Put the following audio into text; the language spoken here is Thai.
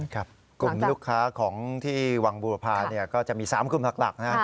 กลุ่มลูกค้าของที่วังบุรพาก็จะมี๓กลุ่มหลักนะ